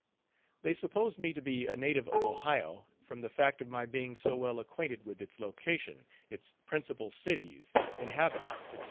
They supposed me to be a native of Ohio, from the fact of my being so well acquainted with its location, its principal cities, inhabitants, &c.